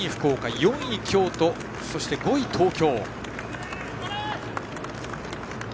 ４位、京都そして５位、東京。